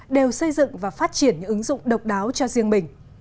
đều xây dựng và phát triển những ứng dụng độc đáo cho riêng mình